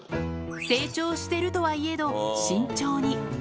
成長してるとはいえど、慎重に。